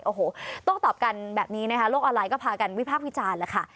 โอ้โหต้องตอบกันแบบนี้นะคะโลกออนไลน์ก็พากันวิพากษ์วิจารณ์แล้วค่ะ